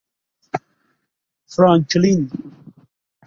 فرانکلین